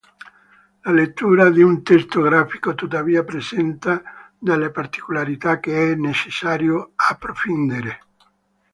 La lettura di un testo grafico, tuttavia, presenta delle particolarità che è necessario approfondire.